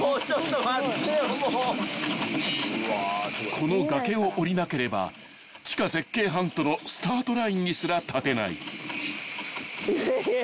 ［この崖をおりなければ地下絶景ハントのスタートラインにすら立てない］え？